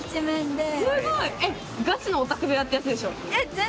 すごい！えっガチのオタク部屋ってやつでしょ？